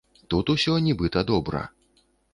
Тут усё, нібыта, добра.